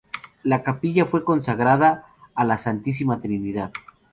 La capilla fue consagrada a la Santísima Trinidad.